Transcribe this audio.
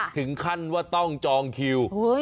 ถึงขั้นว่าต้องจองคิว